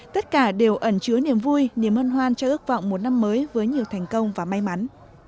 tất cả đều ẩn chứa niềm vui niềm hân hoan cho ước vọng một năm mới với nhiều thành công và may mắn